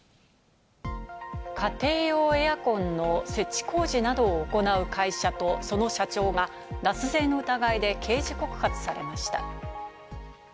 家庭用エアコンの設置工事などを行う会社とその社長が脱税の疑いで刑事告発されました。